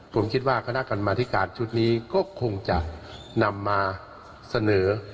ผมคิดว่าคณะกรรมธิการชุดนี้ก็คงจะนำมาเสนอ